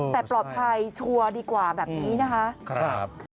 แต่ปลอดภัยชัวร์ดีกว่าแบบนี้นะคะ